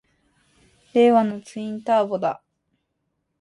令和のツインターボだ！